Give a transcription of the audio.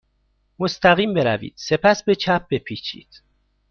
مستقیم بروید. سپس به چپ بپیچید.